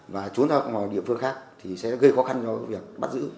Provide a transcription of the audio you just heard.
và trốn ra ngoài địa phương khác thì sẽ gây khó khăn cho việc bắt giữ